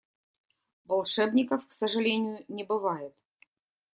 Волшебников, к сожалению, не бывает.